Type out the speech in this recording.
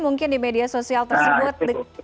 mungkin di media sosial tersebut